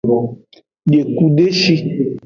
Deku deshi.